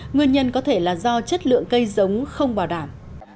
nguyên nhân có thể là do chất lượng cây giống không bảo đảm